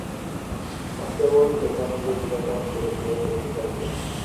Constable সেখানে গিয়ে জিজ্ঞাসাবাদ করেছিল সে স্বীকার করেছে।